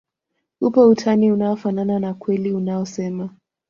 upo utani unaofanana na ukweli unaosema